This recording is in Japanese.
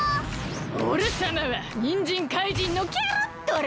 おれさまはにんじんかいじんのキャロットラ！